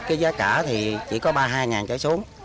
cái giá cả thì chỉ có ba mươi hai trở xuống